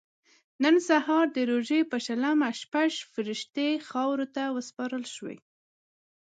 نن سهار د روژې په شلمه شپږ فرښتې خاورو ته وسپارل شوې.